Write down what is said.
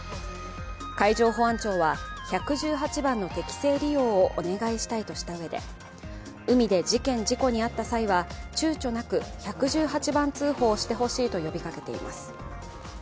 海上保安庁は、１１８番の適正利用をお願いしたいとしたうえで海で事件・事故に遭った際はちゅうちょなく１１８番通報をしてほしいと呼びかけています。